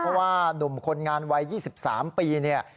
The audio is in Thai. เพราะว่านุ่มคนงานวัย๒๓ปีเนี่ย